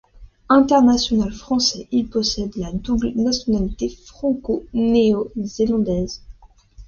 International français, il possède la double nationalité franco-néo-zélandaise.